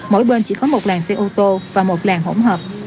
mỗi bên chỉ có một làn xe ô tô và một làn hỗn hợp